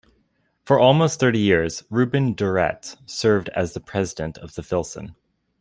For almost thirty years, Reuben Durrett served as the president of the Filson.